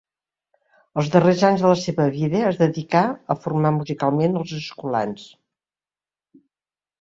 Els darrers anys de la seva vida, es dedicà a formar musicalment els escolans.